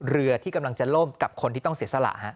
เรือที่กำลังจะล่มกับคนที่ต้องเสียสละฮะ